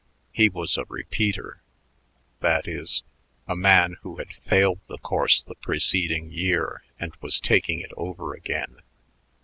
He was a repeater; that is, a man who had failed the course the preceding year and was taking it over again.